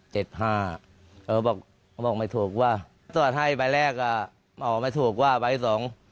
เค้าบอกไม่ถูกว่าตอบให้ใบแรกอ่ะบอกว่าไม่ถูกว่าใบที่๒